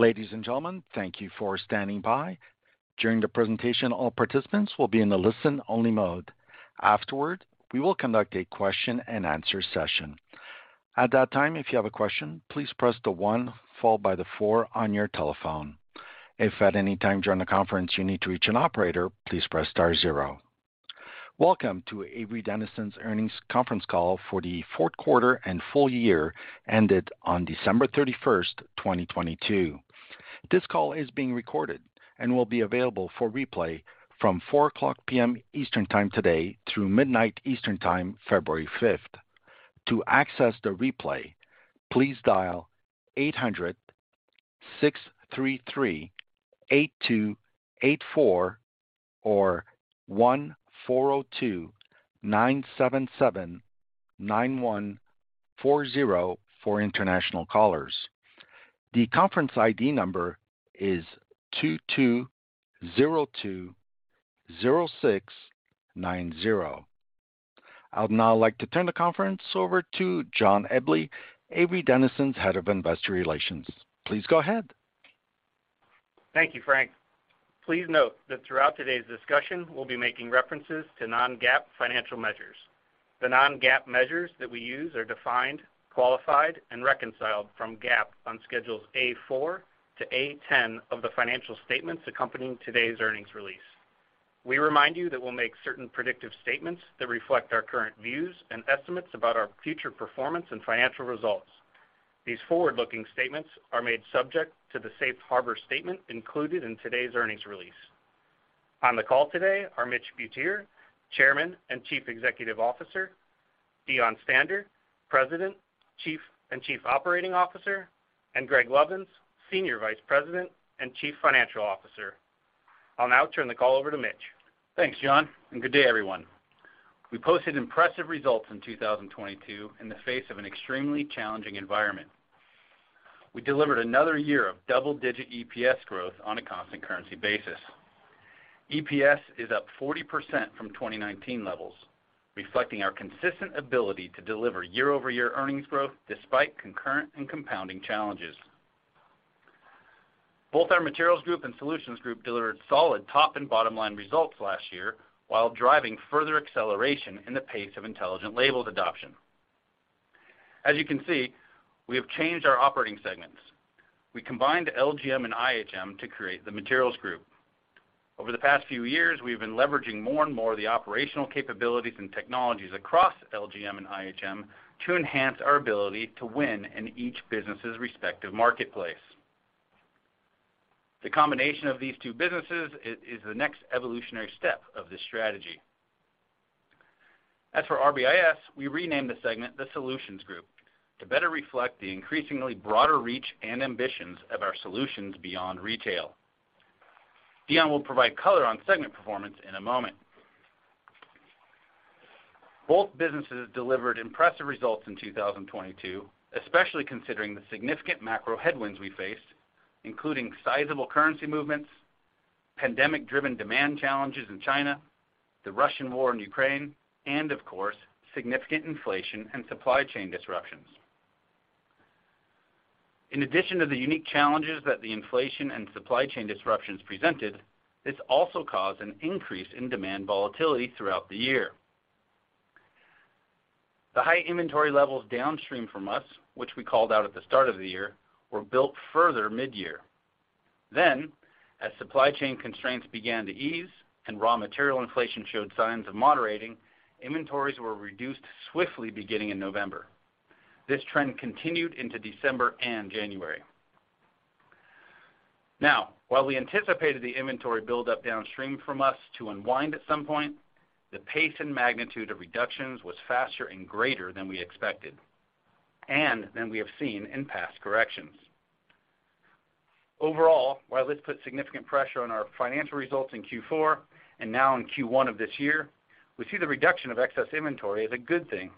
Ladies and gentlemen, thank you for standing by. During the presentation, all participants will be in a listen-only mode. Afterward, we will conduct a question-and-answer session. At that time, if you have a question, please press the one followed by the four on your telephone. If at any time during the conference you need to reach an operator, please press star zero. Welcome to Avery Dennison's earnings conference call for the fourth quarter and full year ended on December 31st, 2022. This call is being recorded and will be available for replay from 4:00 P.M. Eastern Time today through midnight Eastern Time, February 5th. To access the replay, please dial 800-633-8284, or 1-402-977-9140 for international callers. The conference ID number is 22020690. I'd now like to turn the conference over to John Eble, Avery Dennison's Head of Investor Relations. Please go ahead. Thank you, Frank. Please note that throughout today's discussion, we'll be making references to non-GAAP financial measures. The non-GAAP measures that we use are defined, qualified, and reconciled from GAAP on Schedules A-4 through A-0 of the financial statements accompanying today's earnings release. We remind you that we'll make certain predictive statements that reflect our current views and estimates about our future performance and financial results. These forward-looking statements are made subject to the safe harbor statement included in today's earnings release. On the call today are Mitch Butier, Chairman and Chief Executive Officer; Deon Stander, President, and Chief Operating Officer; and Greg Lovins, Senior Vice President and Chief Financial Officer. I'll now turn the call over to Mitch. Thanks, John. Good day everyone. We posted impressive results in 2022 in the face of an extremely challenging environment. We delivered another year of double-digit EPS growth on a constant currency basis. EPS is up 40% from 2019 levels, reflecting our consistent ability to deliver year-over-year earnings growth despite concurrent and compounding challenges. Both our Materials Group and Solutions Group delivered solid top and bottom-line results last year while driving further acceleration in the pace of Intelligent Labels adoption. As you can see, we have changed our operating segments. We combined LGM and IHM to create the Materials Group. Over the past few years, we've been leveraging more and more of the operational capabilities and technologies across LGM and IHM to enhance our ability to win in each business's respective marketplace. The combination of these two businesses is the next evolutionary step of this strategy. For RBIS, we renamed the segment the Solutions Group to better reflect the increasingly broader reach and ambitions of our solutions beyond retail. Deon will provide color on segment performance in a moment. Both businesses delivered impressive results in 2022, especially considering the significant macro headwinds we faced, including sizable currency movements, pandemic-driven demand challenges in China, the Russian war in Ukraine, of course, significant inflation and supply chain disruptions. In addition to the unique challenges that the inflation and supply chain disruptions presented, this also caused an increase in demand volatility throughout the year. The high inventory levels downstream from us, which we called out at the start of the year, were built further mid-year. As supply chain constraints began to ease and raw material inflation showed signs of moderating, inventories were reduced swiftly beginning in November. This trend continued into December and January. While we anticipated the inventory buildup downstream from us to unwind at some point, the pace and magnitude of reductions was faster and greater than we expected, and than we have seen in past corrections. While this put significant pressure on our financial results in Q4 and now in Q1 of this year, we see the reduction of excess inventory as a good thing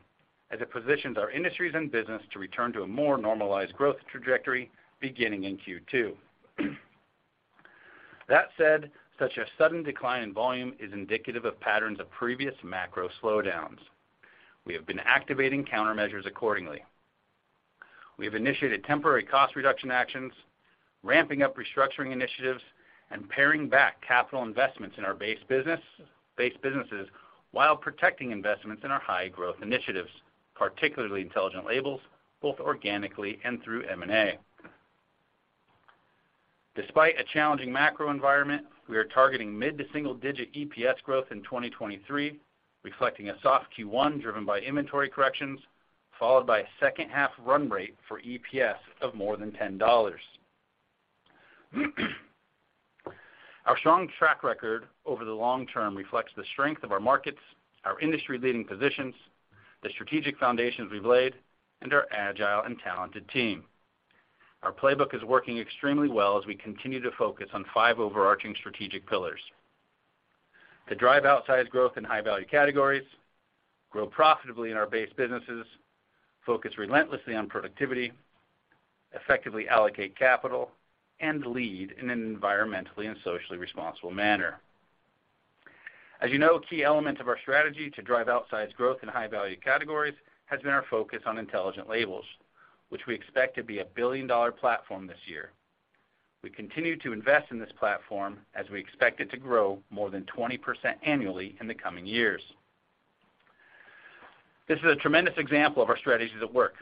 as it positions our industries and business to return to a more normalized growth trajectory beginning in Q2. That said, such a sudden decline in volume is indicative of patterns of previous macro slowdowns. We have been activating countermeasures accordingly. We have initiated temporary cost reduction actions, ramping up restructuring initiatives, and paring back capital investments in our base businesses while protecting investments in our high-growth initiatives, particularly Intelligent Labels, both organically and through M&A. Despite a challenging macro environment, we are targeting mid to single-digit EPS growth in 2023, reflecting a soft Q1 driven by inventory corrections, followed by a second half run rate for EPS of more than $10. Our strong track record over the long term reflects the strength of our markets, our industry-leading positions, the strategic foundations we've laid, and our agile and talented team. Our playbook is working extremely well as we continue to focus on five overarching strategic pillars: to drive outsized growth in high-value categories, grow profitably in our base businesses, focus relentlessly on productivity, effectively allocate capital, and lead in an environmentally and socially responsible manner. As you know, a key element of our strategy to drive outsized growth in high-value categories has been our focus on Intelligent Labels, which we expect to be a billion-dollar platform this year. We continue to invest in this platform as we expect it to grow more than 20% annually in the coming years. This is a tremendous example of our strategies at work.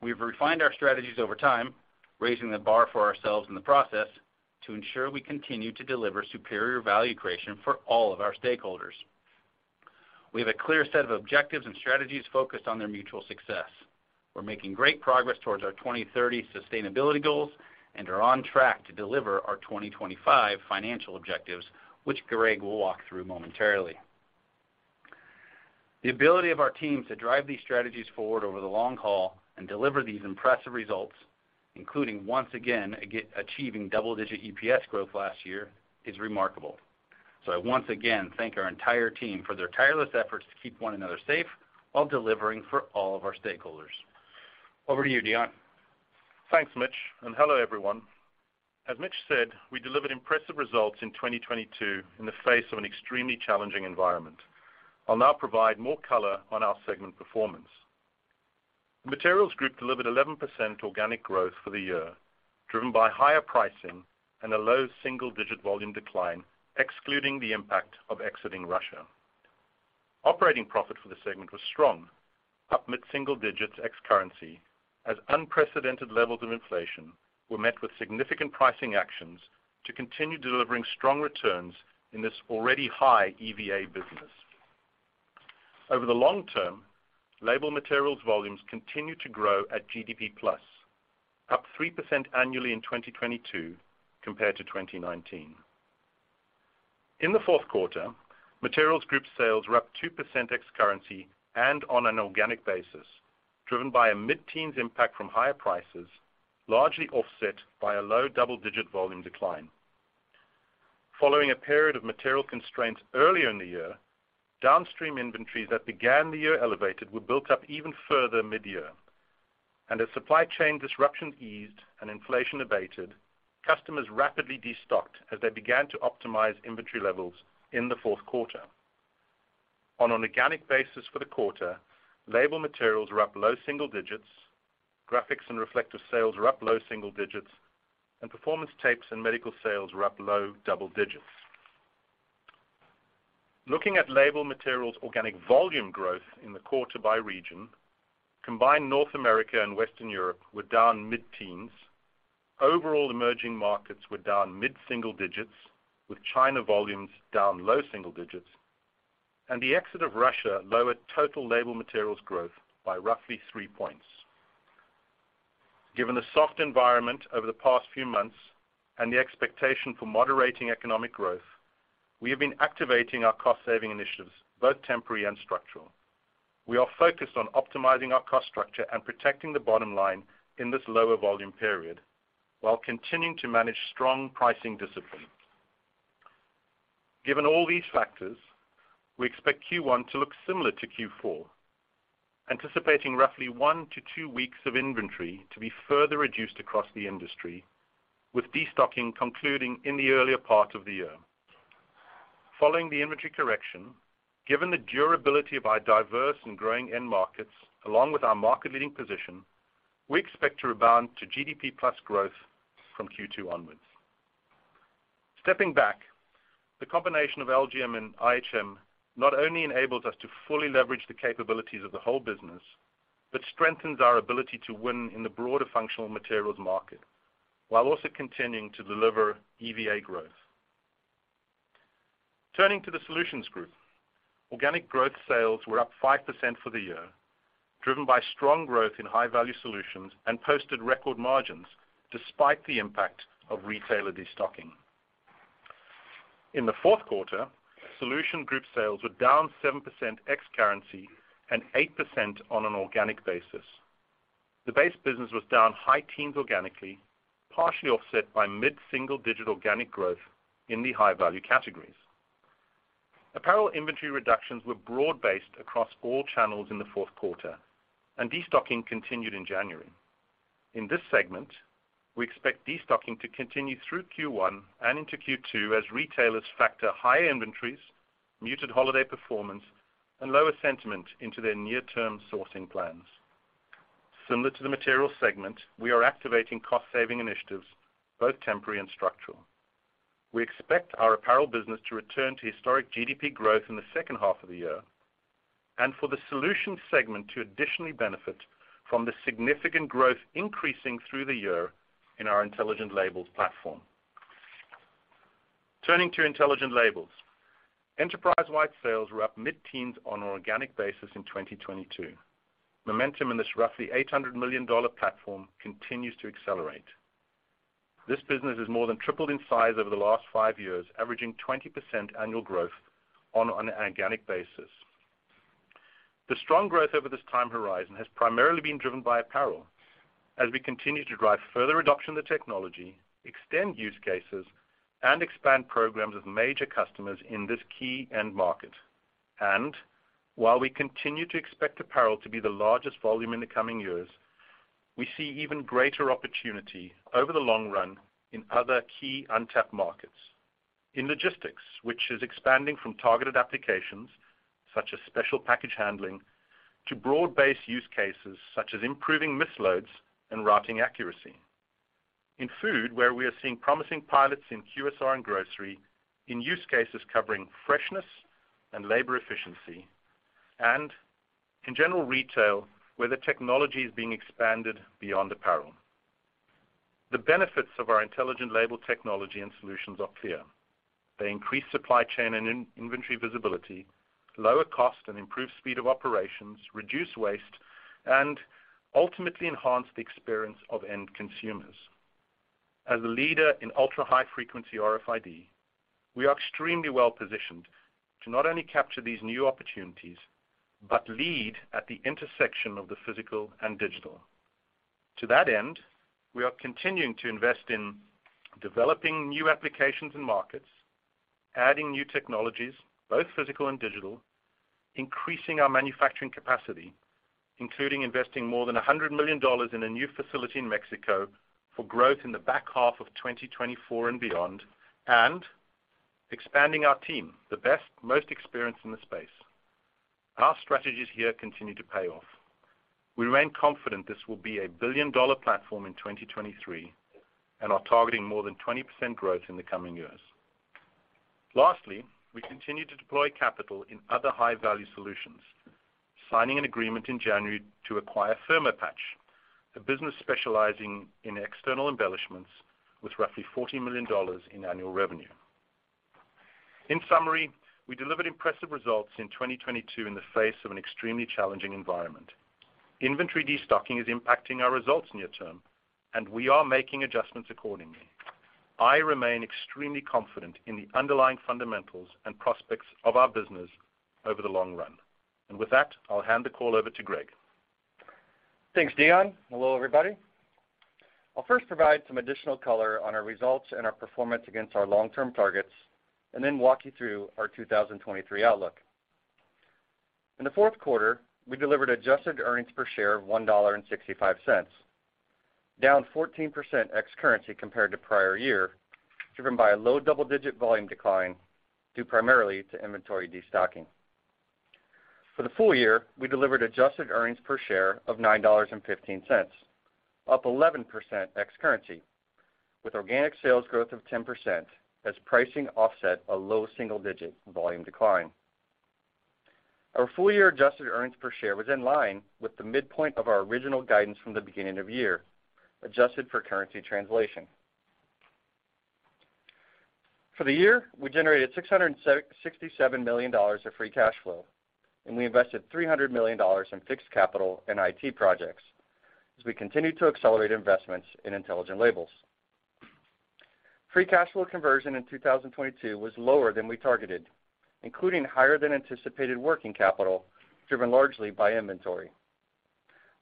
We've refined our strategies over time, raising the bar for ourselves in the process to ensure we continue to deliver superior value creation for all of our stakeholders. We have a clear set of objectives and strategies focused on their mutual success. We're making great progress towards our 2030 sustainability goals and are on track to deliver our 2025 financial objectives, which Greg will walk through momentarily. The ability of our teams to drive these strategies forward over the long haul and deliver these impressive results, including once again achieving double-digit EPS growth last year, is remarkable. I once again thank our entire team for their tireless efforts to keep one another safe while delivering for all of our stakeholders. Over to you, Deon. Thanks, Mitch, and hello, everyone. As Mitch said, we delivered impressive results in 2022 in the face of an extremely challenging environment. I'll now provide more color on our segment performance. The Materials Group delivered 11% organic growth for the year, driven by higher pricing and a low single-digit volume decline, excluding the impact of exiting Russia. Operating profit for the segment was strong, up mid-single digits ex-currency, as unprecedented levels of inflation were met with significant pricing actions to continue delivering strong returns in this already high EVA business. Over the long term, label materials volumes continue to grow at GDP-plus, up 3% annually in 2022 compared to 2019. In the fourth quarter, Materials Group sales were up 2% ex-currency and on an organic basis, driven by a mid-teens impact from higher prices, largely offset by a low double-digit volume decline. Following a period of material constraints earlier in the year, downstream inventories that began the year elevated were built up even further mid-year. As supply chain disruption eased and inflation abated, customers rapidly destocked as they began to optimize inventory levels in the fourth quarter. On an organic basis for the quarter, label materials were up low single digits, graphics and reflective sales were up low single digits, and performance tapes and medical sales were up low double digits. Looking at label materials organic volume growth in the quarter by region, combined North America and Western Europe were down mid-teens. Overall emerging markets were down mid-single digits, with China volumes down low single digits, and the exit of Russia lowered total label materials growth by roughly 3 points. Given the soft environment over the past few months and the expectation for moderating economic growth, we have been activating our cost-saving initiatives, both temporary and structural. We are focused on optimizing our cost structure and protecting the bottom line in this lower volume period while continuing to manage strong pricing discipline. Given all these factors, we expect Q1 to look similar to Q4, anticipating roughly 1-2 weeks of inventory to be further reduced across the industry, with destocking concluding in the earlier part of the year. Following the inventory correction, given the durability of our diverse and growing end markets, along with our market-leading position, we expect to rebound to GDP-plus growth from Q2 onwards. Stepping back, the combination of LGM and IHM not only enables us to fully leverage the capabilities of the whole business, but strengthens our ability to win in the broader functional materials market while also continuing to deliver EVA growth. Turning to the Solutions Group, organic growth sales were up 5% for the year, driven by strong growth in high-value solutions and posted record margins despite the impact of retailer destocking. In the fourth quarter, Solutions Group sales were down 7% ex-currency and 8% on an organic basis. The base business was down high teens organically, partially offset by mid-single-digit organic growth in the high-value categories. Destocking continued in January. In this segment, we expect destocking to continue through Q1 and into Q2 as retailers factor higher inventories, muted holiday performance, and lower sentiment into their near-term sourcing plans. Similar to the Materials segment, we are activating cost-saving initiatives, both temporary and structural. We expect our apparel business to return to historic GDP growth in the second half of the year, and for the Solutions segment to additionally benefit from the significant growth increasing through the year in our Intelligent Labels platform. Turning to Intelligent Labels, enterprise-wide sales were up mid-teens on an organic basis in 2022. Momentum in this roughly $800 million platform continues to accelerate. This business has more than tripled in size over the last five years, averaging 20% annual growth on an organic basis. The strong growth over this time horizon has primarily been driven by apparel, as we continue to drive further adoption of the technology, extend use cases, and expand programs with major customers in this key end market. While we continue to expect apparel to be the largest volume in the coming years. We see even greater opportunity over the long run in other key untapped markets. In logistics, which is expanding from targeted applications, such as special package handling, to broad-based use cases such as improving misloads and routing accuracy. In food, where we are seeing promising pilots in QSR and grocery in use cases covering freshness and labor efficiency, and in general retail, where the technology is being expanded beyond apparel. The benefits of our Intelligent Labels technology and solutions are clear. They increase supply chain and in-inventory visibility, lower cost, and improve speed of operations, reduce waste, and ultimately enhance the experience of end consumers. As a leader in Ultra-High Frequency RFID, we are extremely well-positioned to not only capture these new opportunities, but lead at the intersection of the physical and digital. To that end, we are continuing to invest in developing new applications and markets, adding new technologies, both physical and digital, increasing our manufacturing capacity, including investing more than $100 million in a new facility in Mexico for growth in the back half of 2024 and beyond, and expanding our team, the best, most experienced in the space. Our strategies here continue to pay off. We remain confident this will be a billion-dollar platform in 2023, and are targeting more than 20% growth in the coming years. Lastly, we continue to deploy capital in other high-value solutions, signing an agreement in January to acquire Thermopatch, a business specializing in external embellishments with roughly $40 million in annual revenue. In summary, we delivered impressive results in 2022 in the face of an extremely challenging environment. Inventory destocking is impacting our results near-term. We are making adjustments accordingly. I remain extremely confident in the underlying fundamentals and prospects of our business over the long run. With that, I'll hand the call over to Greg. Thanks, Deon. Hello, everybody. I'll first provide some additional color on our results and our performance against our long-term targets, then walk you through our 2023 outlook. In the fourth quarter, we delivered adjusted earnings per share of $1.65, down 14% ex-currency compared to prior year, driven by a low double-digit volume decline, due primarily to inventory destocking. For the full year, we delivered adjusted earnings per share of $9.15, up 11% ex-currency, with organic sales growth of 10% as pricing offset a low single-digit volume decline. Our full-year adjusted earnings per share was in line with the midpoint of our original guidance from the beginning of year, adjusted for currency translation. For the year, we generated $667 million of free cash flow, and we invested $300 million in fixed capital and IT projects as we continued to accelerate investments in Intelligent Labels. Free cash flow conversion in 2022 was lower than we targeted, including higher than anticipated working capital, driven largely by inventory.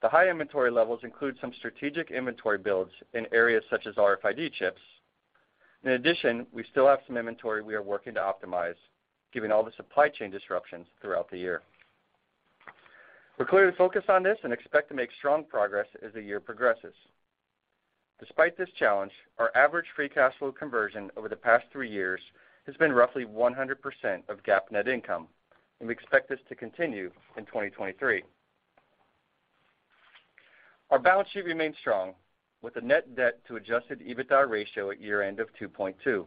The high inventory levels include some strategic inventory builds in areas such as RFID chips. In addition, we still have some inventory we are working to optimize given all the supply chain disruptions throughout the year. We're clearly focused on this and expect to make strong progress as the year progresses. Despite this challenge, our average free cash flow conversion over the past three years has been roughly 100% of GAAP net income, and we expect this to continue in 2023. Our balance sheet remains strong with a net debt to adjusted EBITDA ratio at year-end of 2.2x.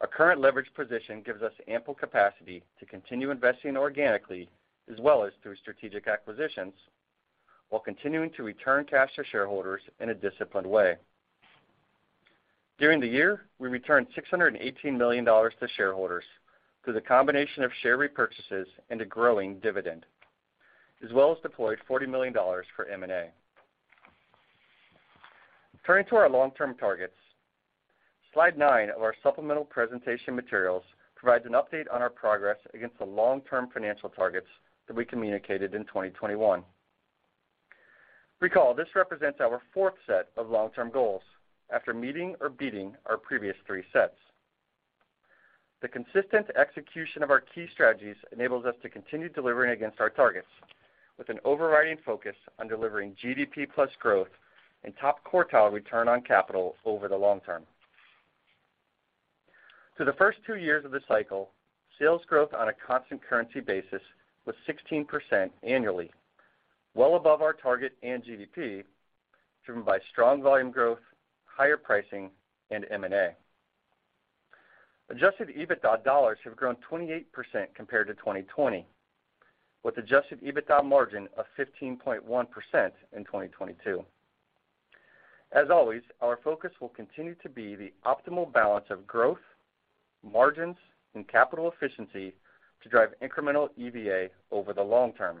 Our current leverage position gives us ample capacity to continue investing organically as well as through strategic acquisitions while continuing to return cash to shareholders in a disciplined way. During the year, we returned $618 million to shareholders through the combination of share repurchases and a growing dividend, as well as deployed $40 million for M&A. Turning to our long-term targets. Slide nine of our supplemental presentation materials provides an update on our progress against the long-term financial targets that we communicated in 2021. Recall, this represents our fourth set of long-term goals after meeting or beating our previous three sets. The consistent execution of our key strategies enables us to continue delivering against our targets with an overriding focus on delivering GDP-plus growth and top quartile return on capital over the long term. Through the first two years of the cycle, sales growth on a constant currency basis was 16% annually, well above our target and GDP, driven by strong volume growth, higher pricing, and M&A. Adjusted EBITDA dollars have grown 28% compared to 2020, with adjusted EBITDA margin of 15.1% in 2022. As always, our focus will continue to be the optimal balance of growth, margins, and capital efficiency to drive incremental EVA over the long term.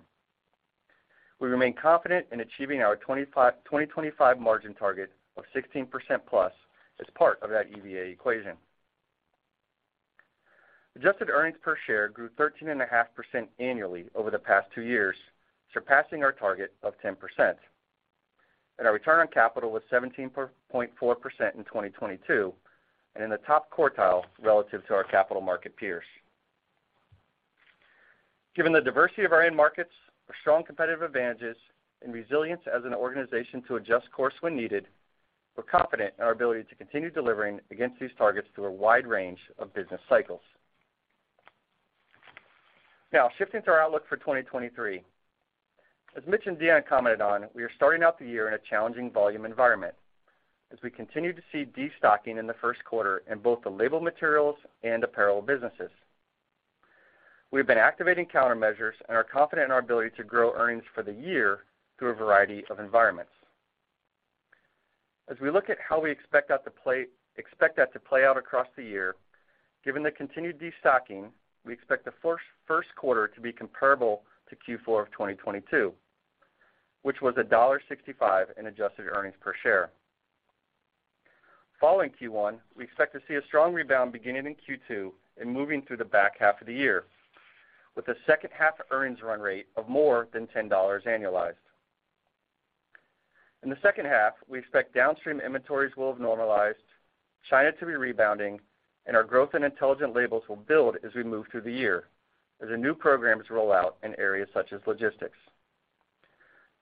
We remain confident in achieving our 2025 margin target of 16%+ as part of that EVA equation. Adjusted earnings per share grew 13.5% annually over the past two years, surpassing our target of 10%. Our return on capital was 17.4% in 2022, and in the top quartile relative to our capital market peers. Given the diversity of our end markets, our strong competitive advantages, and resilience as an organization to adjust course when needed, we're confident in our ability to continue delivering against these targets through a wide range of business cycles. Now shifting to our outlook for 2023. As Mitch and Deon commented on, we are starting out the year in a challenging volume environment as we continue to see destocking in the first quarter in both the label materials and apparel businesses. We have been activating countermeasures and are confident in our ability to grow earnings for the year through a variety of environments. As we look at how we expect that to play out across the year, given the continued destocking, we expect the first quarter to be comparable to Q4 of 2022, which was $1.65 in adjusted earnings per share. Following Q1, we expect to see a strong rebound beginning in Q2 and moving through the back half of the year, with a second half earnings run rate of more than $10 annualized. In the second half, we expect downstream inventories will have normalized, China to be rebounding, and our growth in Intelligent Labels will build as we move through the year as the new programs roll out in areas such as logistics.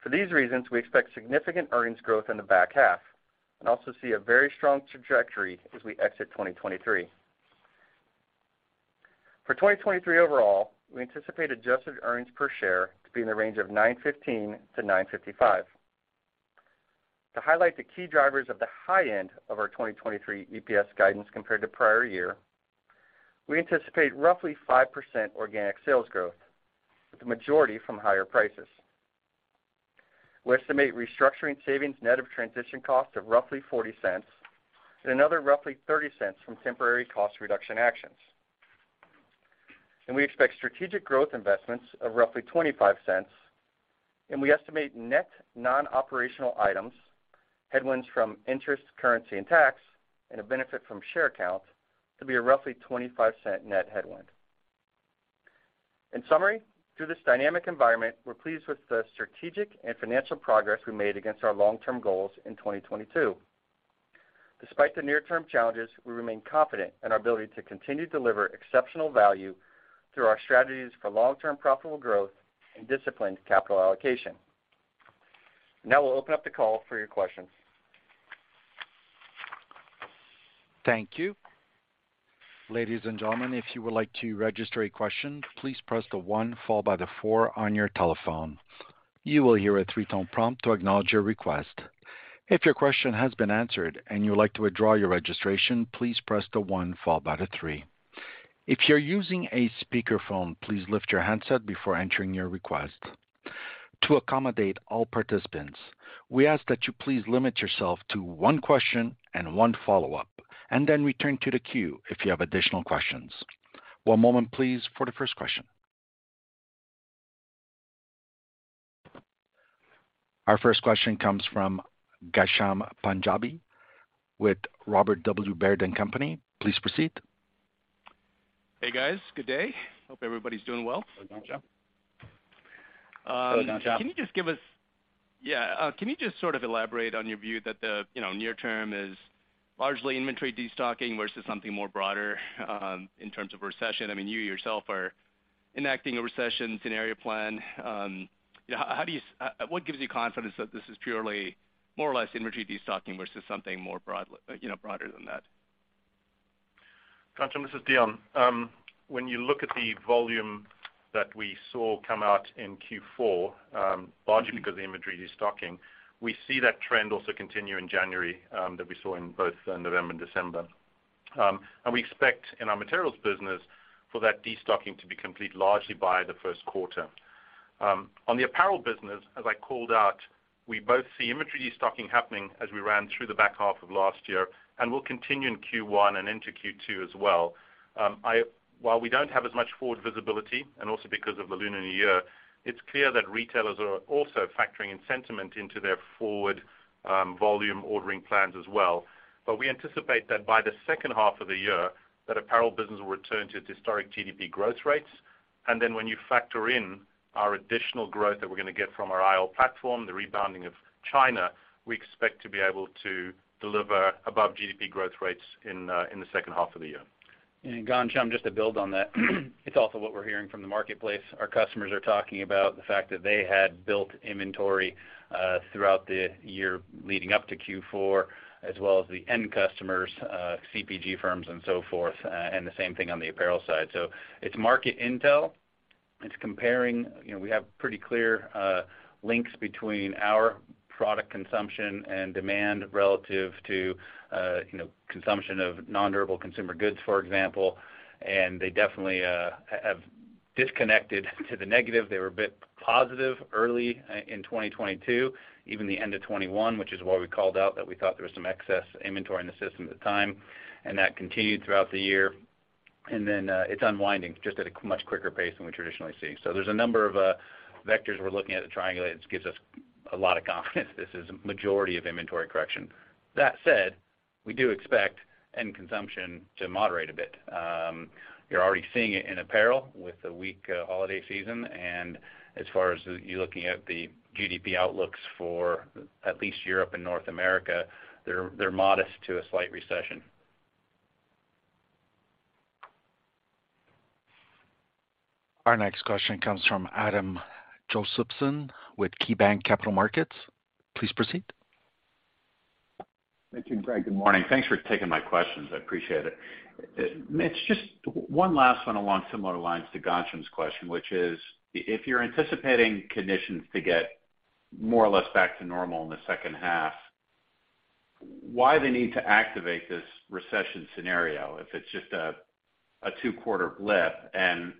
For these reasons, we expect significant earnings growth in the back half and also see a very strong trajectory as we exit 2023. For 2023 overall, we anticipate adjusted earnings per share to be in the range of $9.15-$9.55. To highlight the key drivers of the high end of our 2023 EPS guidance compared to prior year, we anticipate roughly 5% organic sales growth, with the majority from higher prices. We estimate restructuring savings net of transition costs of roughly $0.40 and another roughly $0.30 from temporary cost reduction actions. We expect strategic growth investments of roughly $0.25, and we estimate net non-operational items, headwinds from interest, currency, and tax, and a benefit from share count to be a roughly $0.25 net headwind. In summary, through this dynamic environment, we're pleased with the strategic and financial progress we made against our long-term goals in 2022. Despite the near-term challenges, we remain confident in our ability to continue to deliver exceptional value through our strategies for long-term profitable growth and disciplined capital allocation. We'll open up the call for your questions. Thank you. Ladies and gentlemen, if you would like to register a question, please press the one followed by the four on your telephone. You will hear a three-tone prompt to acknowledge your request. If your question has been answered and you would like to withdraw your registration, please press the one followed by the three. If you're using a speakerphone, please lift your handset before entering your request. To accommodate all participants, we ask that you please limit yourself to one question and one follow-up, and then return to the queue if you have additional questions. One moment, please, for the first question. Our first question comes from Ghansham Panjabi with Robert W. Baird & Co. Please proceed. Hey, guys. Good day. Hope everybody's doing well. Hey, Ghansham. Can you just sort of elaborate on your view that the, you know, near term is largely inventory destocking versus something more broader, in terms of recession? I mean, you yourself are enacting a recession scenario plan. What gives you confidence that this is purely more or less inventory destocking versus something more, you know, broader than that? Ghansham, this is Deon. When you look at the volume that we saw come out in Q4, largely because of the inventory destocking, we see that trend also continue in January that we saw in both November and December. And we expect in our materials business for that destocking to be complete largely by the first quarter. On the Apparel business, as I called out, we both see inventory destocking happening as we ran through the back half of last year and will continue in Q1 and into Q2 as well. While we don't have as much forward visibility, and also because of the Lunar New Year, it's clear that retailers are also factoring in sentiment into their forward volume ordering plans as well. We anticipate that by the second half of the year, that apparel business will return to its historic GDP growth rates. Then when you factor in our additional growth that we're gonna get from our IL platform, the rebounding of China, we expect to be able to deliver above GDP growth rates in the second half of the year. Ghansham, just to build on that, it's also what we're hearing from the marketplace. Our customers are talking about the fact that they had built inventory throughout the year leading up to Q4, as well as the end customers, CPG firms and so forth, and the same thing on the apparel side. It's market intel. It's comparing. You know, we have pretty clear links between our product consumption and demand relative to, you know, consumption of nondurable consumer goods, for example, and they definitely have disconnected to the negative. They were a bit positive early in 2022, even the end of 2021, which is why we called out that we thought there was some excess inventory in the system at the time, and that continued throughout the year. It's unwinding just at a much quicker pace than we traditionally see. There's a number of vectors we're looking at to triangulate, which gives us a lot of confidence this is a majority of inventory correction. That said, we do expect end consumption to moderate a bit. You're already seeing it in apparel with the weak holiday season. As far as you're looking at the GDP outlooks for at least Europe and North America, they're modest to a slight recession. Our next question comes from Adam Josephson with KeyBanc Capital Markets. Please proceed. Mitch and Greg, good morning. Thanks for taking my questions. I appreciate it. Mitch, just one last one along similar lines to Ghansham's question, which is, if you're anticipating conditions to get more or less back to normal in the second half, why the need to activate this recession scenario if it's just a two-quarter blip?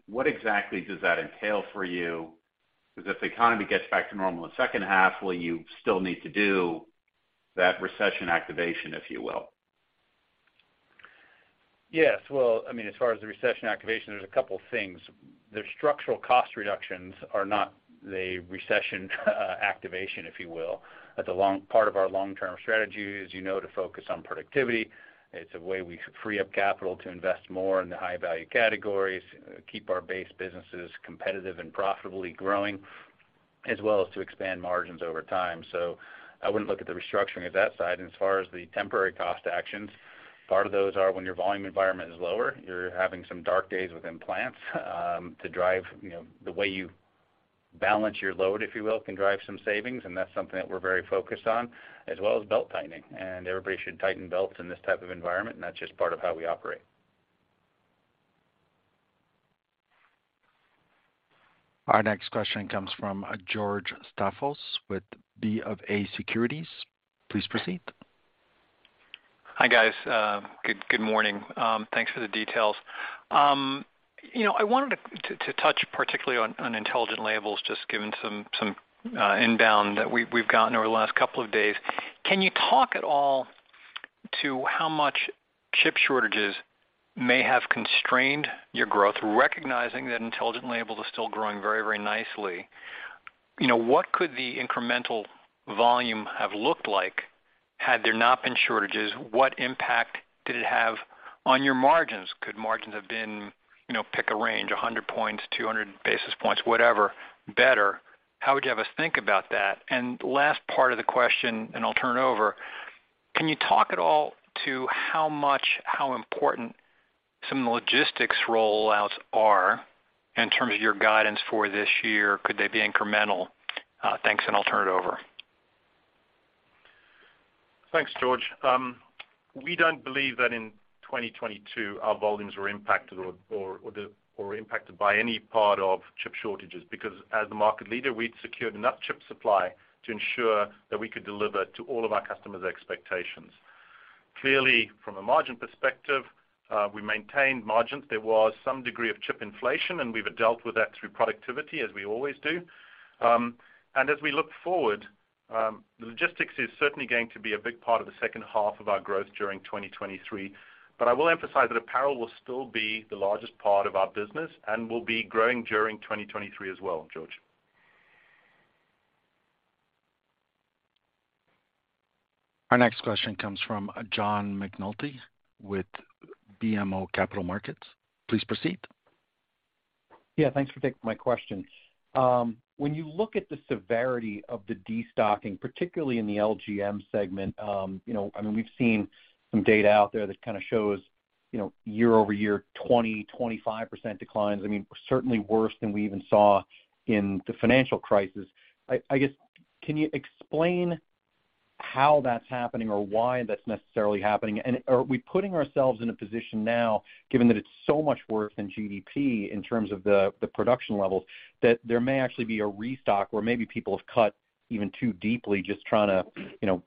What exactly does that entail for you? If the economy gets back to normal in the second half, will you still need to do that recession activation, if you will? Yes. Well, I mean, as far as the recession activation, there's a couple things. The structural cost reductions are not the recession activation, if you will. That's part of our long-term strategy, as you know, to focus on productivity. It's a way we free up capital to invest more in the high value categories, keep our base businesses competitive and profitably growing, as well as to expand margins over time. I wouldn't look at the restructuring of that side. As far as the temporary cost actions, part of those are when your volume environment is lower, you're having some dark days within plants, to drive, you know, the way you balance your load, if you will, can drive some savings, and that's something that we're very focused on, as well as belt-tightening. Everybody should tighten belts in this type of environment, and that's just part of how we operate. Our next question comes from George Staphos with BofA Securities. Please proceed. Hi, guys. Good morning. Thanks for the details. You know, I wanted to touch particularly on Intelligent Labels, just given some inbound that we've gotten over the last couple of days. Can you talk at all to how much chip shortages may have constrained your growth, recognizing that Intelligent Labels are still growing very nicely? You know, what could the incremental volume have looked like had there not been shortages? What impact did it have on your margins? Could margins have been, you know, pick a range, 100 points, 200 basis points, whatever, better? How would you have us think about that? Last part of the question, and I'll turn it over, can you talk at all to how important some of the logistics rollouts are in terms of your guidance for this year? Could they be incremental? Thanks, and I'll turn it over. Thanks, George. We don't believe that in 2022 our volumes were impacted or impacted by any part of chip shortages, because as the market leader, we'd secured enough chip supply to ensure that we could deliver to all of our customers' expectations. Clearly, from a margin perspective, we maintained margins. There was some degree of chip inflation, and we've dealt with that through productivity, as we always do. As we look forward, the logistics is certainly going to be a big part of the second half of our growth during 2023. I will emphasize that apparel will still be the largest part of our business and will be growing during 2023 as well, George. Our next question comes from John McNulty with BMO Capital Markets. Please proceed. Thanks for taking my question. When you look at the severity of the destocking, particularly in the LGM segment, you know, I mean, we've seen some data out there that kind of shows, year over year, 20%-25% declines. I mean, certainly worse than we even saw in the financial crisis. I guess, can you explain how that's happening or why that's necessarily happening? Are we putting ourselves in a position now, given that it's so much worse than GDP in terms of the production levels, that there may actually be a restock or maybe people have cut even too deeply just trying to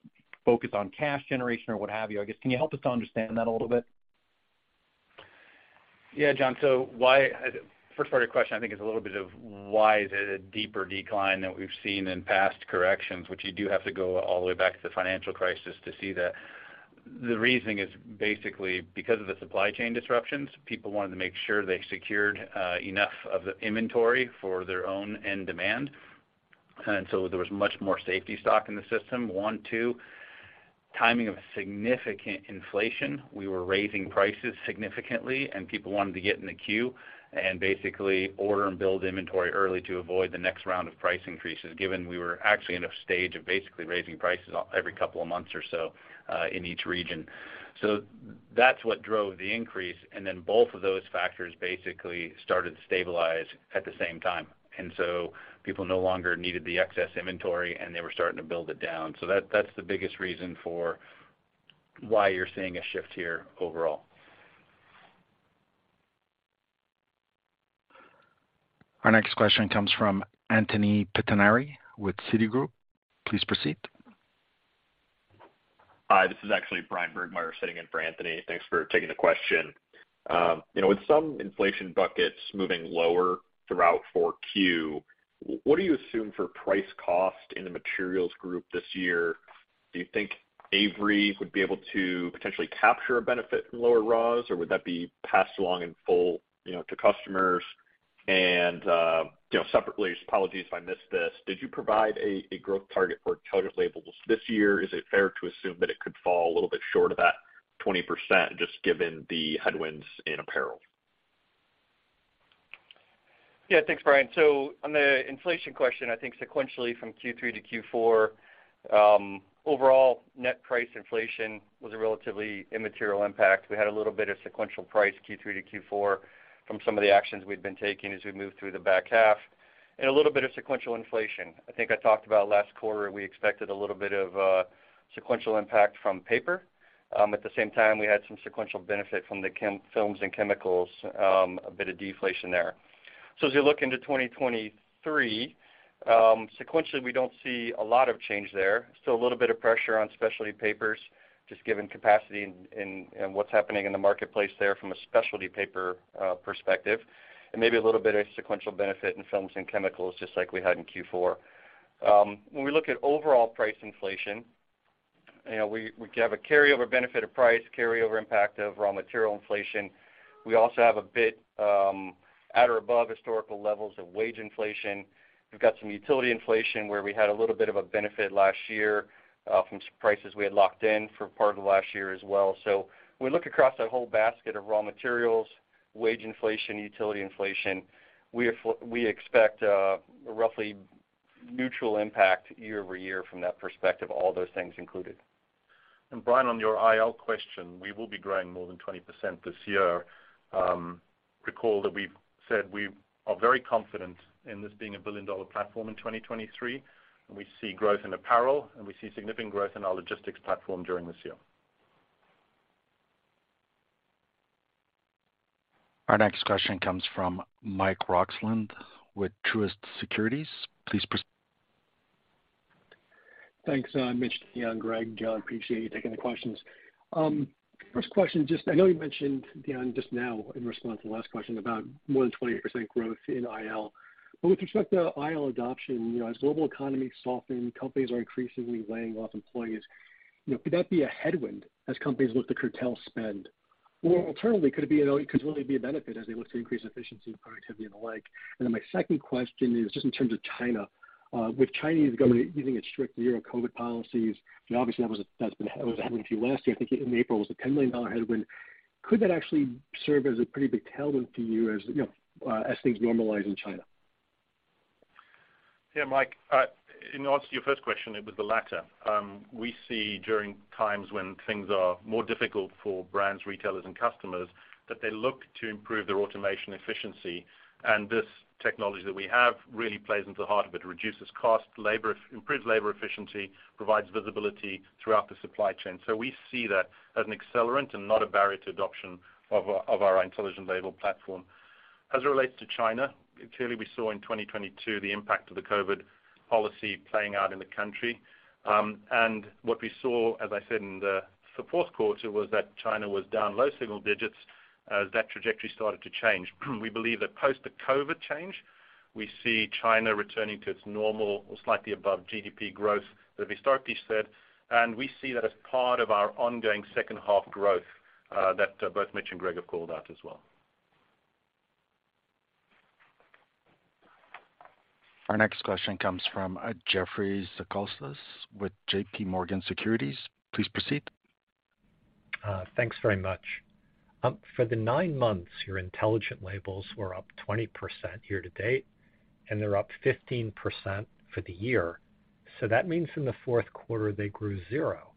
focus on cash generation or what have you? I guess, can you help us to understand that a little bit? Yeah, John. first part of your question I think is a little bit of why is it a deeper decline than we've seen in past corrections, which you do have to go all the way back to the financial crisis to see that. The reasoning is basically because of the supply chain disruptions, people wanted to make sure they secured enough of the inventory for their own end demand. there was much more safety stock in the system. One, two, timing of significant inflation. We were raising prices significantly, and people wanted to get in the queue and basically order and build inventory early to avoid the next round of price increases, given we were actually in a stage of basically raising prices every couple of months or so in each region. that's what drove the increase. Both of those factors basically started to stabilize at the same time. People no longer needed the excess inventory, and they were starting to build it down. That's the biggest reason for why you're seeing a shift here overall. Our next question comes from Anthony Pettinari with Citigroup. Please proceed. Hi, this is actually Bryan Burgmeier sitting in for Anthony. Thanks for taking the question. You know, with some inflation buckets moving lower throughout 4Q, what do you assume for price cost in the Materials Group this year? Do you think Avery would be able to potentially capture a benefit from lower raws, or would that be passed along in full, you know, to customers? You know, separately, apologies if I missed this, did you provide a growth target for Intelligent Labels this year? Is it fair to assume that it could fall a little bit short of that 20% just given the headwinds in apparel? Thanks, Bryan. On the inflation question, I think sequentially from Q3 to Q4, overall net price inflation was a relatively immaterial impact. We had a little bit of sequential price Q3 to Q4 from some of the actions we'd been taking as we moved through the back half, and a little bit of sequential inflation. I think I talked about last quarter, we expected a little bit of sequential impact from paper. At the same time, we had some sequential benefit from the films and chemicals, a bit of deflation there. As you look into 2023, sequentially, we don't see a lot of change there. Still a little bit of pressure on specialty papers, just given capacity and what's happening in the marketplace there from a specialty paper perspective, and maybe a little bit of sequential benefit in films and chemicals just like we had in Q4. When we look at overall price inflation, you know, we have a carryover benefit of price, carryover impact of raw material inflation. We also have a bit at or above historical levels of wage inflation. We've got some utility inflation where we had a little bit of a benefit last year from some prices we had locked in for part of last year as well. When we look across that whole basket of raw materials, wage inflation, utility inflation, we expect a roughly neutral impact year-over-year from that perspective, all those things included. Bryan, on your IL question, we will be growing more than 20% this year. Recall that we've said we are very confident in this being a billion-dollar platform in 2023, and we see growth in apparel, and we see significant growth in our logistics platform during this year. Our next question comes from Mike Roxland with Truist Securities. Please proceed. Thanks, Mitch, Deon, Greg, John. Appreciate you taking the questions. First question, just I know you mentioned, Deon, just now in response to the last question about more than 20% growth in IL. With respect to IL adoption, you know, as global economy soften, companies are increasingly laying off employees. You know, could that be a headwind as companies look to curtail spend? Or alternatively, could it really be a benefit as they look to increase efficiency and productivity and the like? My second question is just in terms of China, with Chinese government easing its strict zero COVID policies, obviously, that was a headwind to you last year. I think in April, it was a $10 million headwind. Could that actually serve as a pretty big tailwind to you as, you know, as things normalize in China? Mike, in answer to your first question, it was the latter. We see during times when things are more difficult for brands, retailers, and customers, that they look to improve their automation efficiency. This technology that we have really plays into the heart of it. It reduces cost, improves labor efficiency, provides visibility throughout the supply chain. We see that as an accelerant and not a barrier to adoption of our Intelligent Labels platform. As it relates to China, clearly, we saw in 2022 the impact of the COVID policy playing out in the country. What we saw, as I said in the fourth quarter, was that China was down low single digits as that trajectory started to change. We believe that post the COVID change, we see China returning to its normal or slightly above GDP growth that we historically said. We see that as part of our ongoing second half growth that both Mitch and Greg have called out as well. Our next question comes from Jeffrey Zekauskas with J.P. Morgan Securities. Please proceed. Thanks very much. For the nine months, your Intelligent Labels were up 20% year to date, and they're up 15% for the year. That means in the fourth quarter, they grew 0.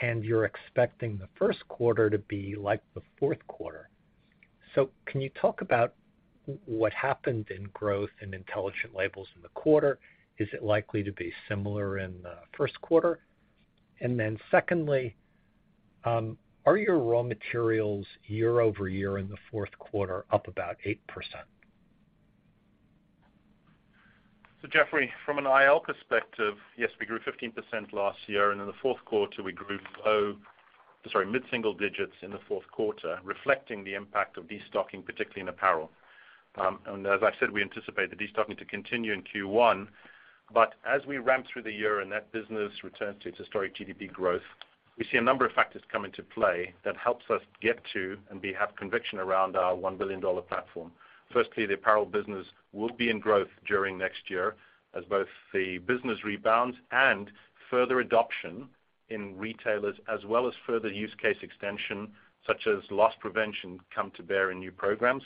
You're expecting the first quarter to be like the fourth quarter. Can you talk about what happened in growth in Intelligent Labels in the quarter? Is it likely to be similar in the first quarter? Then secondly, are your raw materials year-over-year in the fourth quarter up about 8%? Jeffrey, from an IL perspective, yes, we grew 15% last year, and in the fourth quarter, we grew low, mid-single digits in the fourth quarter, reflecting the impact of destocking, particularly in apparel. As I said, we anticipate the destocking to continue in Q1. As we ramp through the year and that business returns to its historic GDP growth, we see a number of factors come into play that helps us get to and we have conviction around our $1 billion platform. Firstly, the apparel business will be in growth during next year as both the business rebounds and further adoption in retailers as well as further use case extension, such as loss prevention, come to bear in new programs.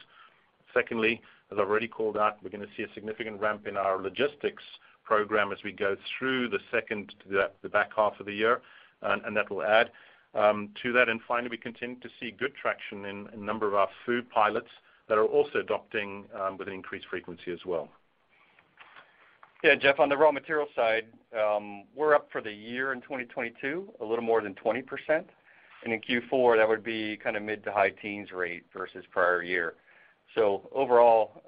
Secondly, as I've already called out, we're gonna see a significant ramp in our logistics program as we go through the second to the back half of the year, and that will add to that. Finally, we continue to see good traction in a number of our food pilots that are also adopting with an increased frequency as well. Jeff, on the raw material side, we're up for the year in 2022, a little more than 20%. In Q4, that would be kind of mid to high teens rate versus prior year. Overall,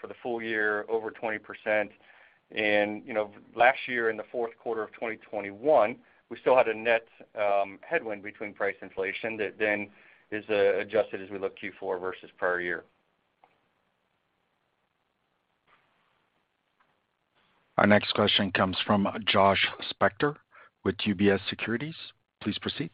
for the full year, over 20%. You know, last year in the fourth quarter of 2021, we still had a net headwind between price inflation that then is adjusted as we look Q4 versus prior year. Our next question comes from Josh Spector with UBS Securities. Please proceed.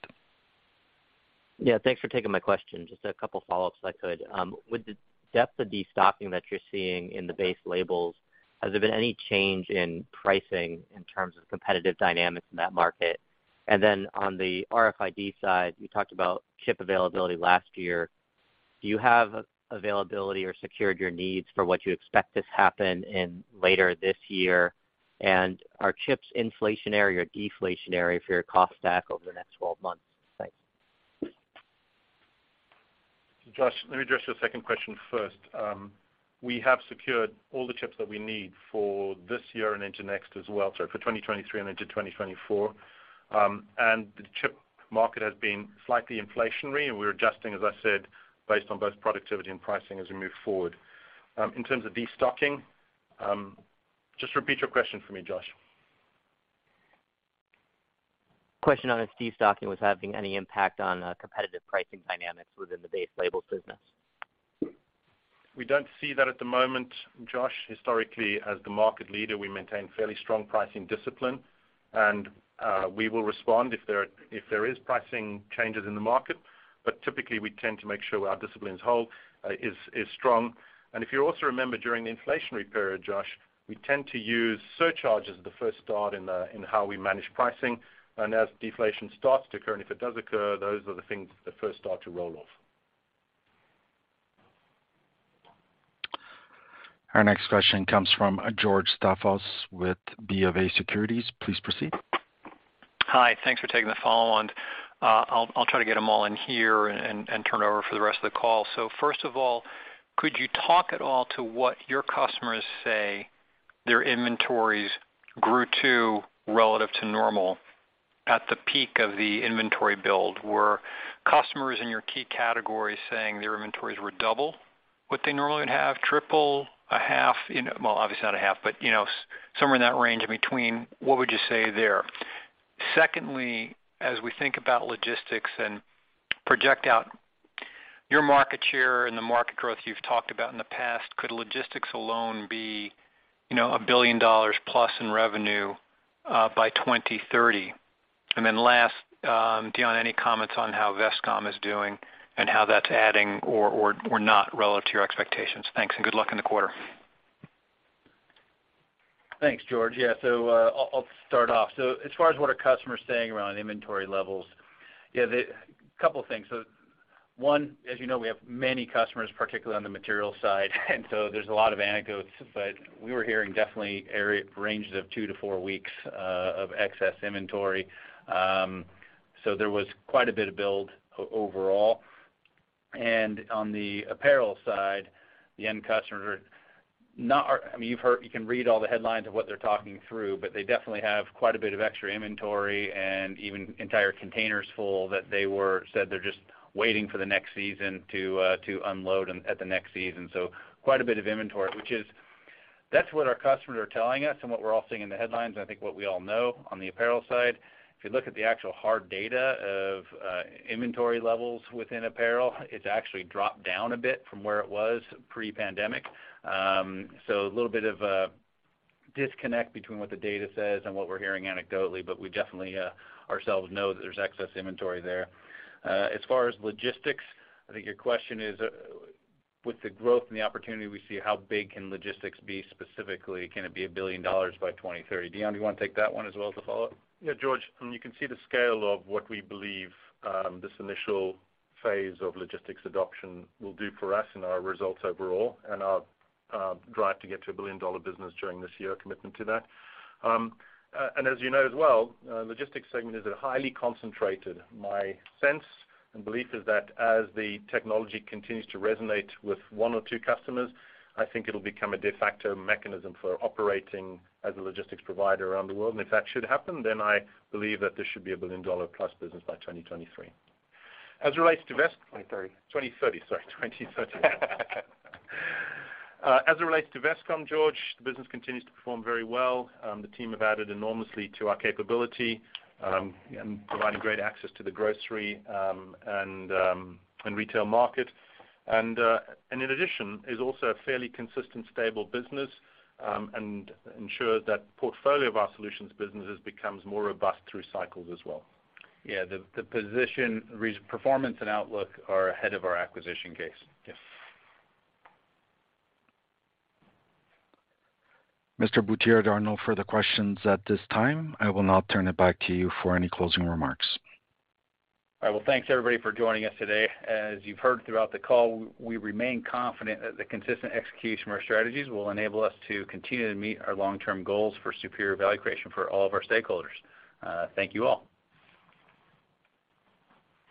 Yeah. Thanks for taking my question. Just a couple follow-ups if I could. With the depth of destocking that you're seeing in the base labels, has there been any change in pricing in terms of competitive dynamics in that market? On the RFID side, you talked about chip availability last year. Do you have availability or secured your needs for what you expect this happen in later this year? Are chips inflationary or deflationary for your cost stack over the next 12 months? Thanks. Josh, let me address your second question first. We have secured all the chips that we need for this year and into next as well. For 2023 and into 2024. The chip market has been slightly inflationary, and we're adjusting, as I said, based on both productivity and pricing as we move forward. In terms of destocking, just repeat your question for me, Josh. Question on if destocking was having any impact on competitive pricing dynamics within the base labels business? We don't see that at the moment, Josh. Historically, as the market leader, we maintain fairly strong pricing discipline. We will respond if there is pricing changes in the market. Typically, we tend to make sure our disciplines hold is strong. If you also remember during the inflationary period, Josh, we tend to use surcharges as the first start in how we manage pricing. As deflation starts to occur, and if it does occur, those are the things that first start to roll off. Our next question comes from George Staphos with BofA Securities. Please proceed. Hi. Thanks for taking the follow on. I'll try to get them all in here and turn it over for the rest of the call. First of all, could you talk at all to what your customers say their inventories grew to relative to normal at the peak of the inventory build? Were customers in your key categories saying their inventories were double what they normally would have? Triple? A half? You know, well, obviously not a half, but, you know, somewhere in that range in between, what would you say there? Secondly, as we think about logistics and project out your market share and the market growth you've talked about in the past, could logistics alone be, you know, $1 billion+ in revenue by 2030? Then last, Deon, any comments on how Vestcom is doing and how that's adding or not relative to your expectations? Thanks, and good luck in the quarter. Thanks, George. Yeah, I'll start off. As far as what are customers saying around inventory levels, yeah, couple of things. One, as you know, we have many customers, particularly on the material side, and there's a lot of anecdotes, but we were hearing definitely ranges of 2-4 weeks of excess inventory. There was quite a bit of build overall. On the apparel side, the end customers are not, I mean, you've heard, you can read all the headlines of what they're talking through, but they definitely have quite a bit of extra inventory and even entire containers full that they said they're just waiting for the next season to unload at the next season. Quite a bit of inventory, which is, that's what our customers are telling us and what we're all seeing in the headlines, and I think what we all know on the apparel side. If you look at the actual hard data of inventory levels within apparel, it's actually dropped down a bit from where it was pre-pandemic. A little bit of a disconnect between what the data says and what we're hearing anecdotally, but we definitely ourselves know that there's excess inventory there. As far as logistics, I think your question is, with the growth and the opportunity we see, how big can logistics be specifically? Can it be $1 billion by 2030? Deon, you wanna take that one as well as a follow-up? Yeah, George, you can see the scale of what we believe, this initial phase of logistics adoption will do for us in our results overall and our drive to get to a billion-dollar business during this year, commitment to that. As you know as well, logistics segment is a highly concentrated. My sense and belief is that as the technology continues to resonate with one or two customers, I think it'll become a de facto mechanism for operating as a logistics provider around the world. If that should happen, then I believe that this should be a billion-dollar plus business by 2023. 2030. Sorry, 2030. As it relates to Vestcom, George, the business continues to perform very well. The team have added enormously to our capability, and providing great access to the grocery, and retail market. In addition, is also a fairly consistent stable business, and ensures that portfolio of our solutions businesses becomes more robust through cycles as well. Yeah, the position performance and outlook are ahead of our acquisition case. Yes. Mr. Butier, there are no further questions at this time. I will now turn it back to you for any closing remarks. All right. Well, thanks everybody for joining us today. As you've heard throughout the call, we remain confident that the consistent execution of our strategies will enable us to continue to meet our long-term goals for superior value creation for all of our stakeholders. Thank you all.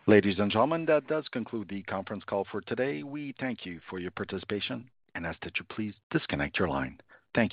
Ladies and gentlemen, that does conclude the conference call for today. We thank you for your participation and ask that you please disconnect your line. Thank you.